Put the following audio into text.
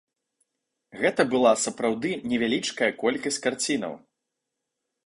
Гэта была сапраўды невялічкая колькасць карцінаў.